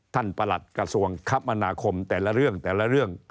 ท่านประหลัดกระทรวงคัมภนาคมแต่ละเรื่อง